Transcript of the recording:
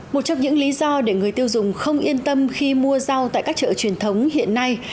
một trong những lý do để người tiêu dùng không yên tâm khi mua rau tại các chợ truyền thống hiện nay